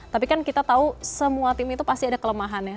tapi kan kita tahu semua tim itu pasti ada kelemahannya